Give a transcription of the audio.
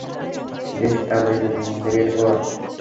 বেশ, কাজে লেগে পড়ো।